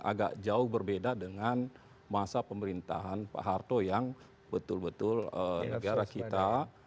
agak jauh berbeda dengan masa pemerintahan pak harto yang betul betul negara kita